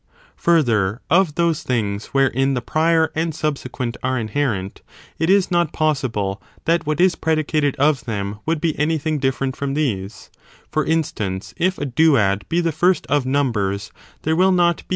Further, of those things wherein the prior and subsequent are inherent, it is not possible that what is predicated of them woujd be anything different fi'om these ; for instance, if a duad be the first of numbers there will not \f!